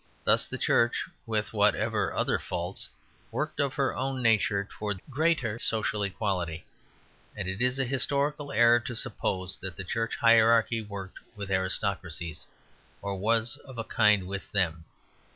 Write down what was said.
Thus the Church, with whatever other faults, worked of her own nature towards greater social equality; and it is a historical error to suppose that the Church hierarchy worked with aristocracies, or was of a kind with them.